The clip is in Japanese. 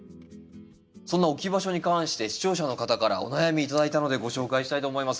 そんな置き場所に関して視聴者の方からお悩み頂いたのでご紹介したいと思います。